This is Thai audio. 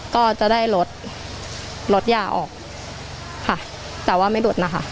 ก็จะได้ลดลดยาออกค่ะแต่ว่าไม่หลุดนะคะ